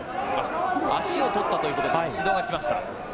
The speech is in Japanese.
足を取ったということで指導が来ました。